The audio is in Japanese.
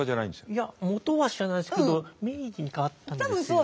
いや元は知らないですけど明治に変わったんですよね。